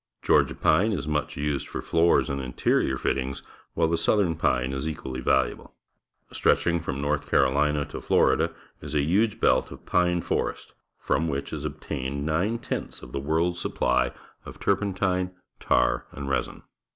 Georgia pine is much used for floors and interior fittings, while the souther n cvpregs is equally valuable. Stretching from A orth Carolitia to Florida is a huge belt of pine forest, from which is obtained nine lent hs j)f the wqi 1H' s supph^'of turpentine, tarj and resin.